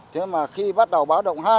thế mà khi bắt đầu báo động hai